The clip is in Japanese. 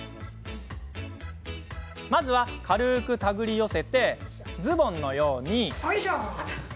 まずは軽く手繰り寄せてズボンのように。